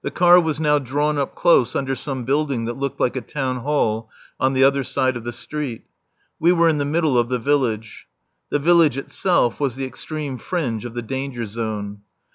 The car was now drawn up close under some building that looked like a town hall, on the other side of the street. We were in the middle of the village. The village itself was the extreme fringe of the danger zone.